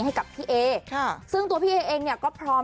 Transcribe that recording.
ให้กับพี่เอค่ะซึ่งตัวพี่เอเองเนี่ยก็พร้อม